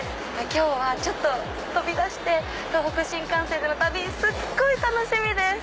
今日はちょっと飛び出して東北新幹線での旅すっごい楽しみです。